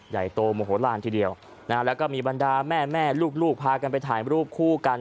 ใหญ่โตโมโหลานทีเดียวนะฮะแล้วก็มีบรรดาแม่แม่ลูกพากันไปถ่ายรูปคู่กัน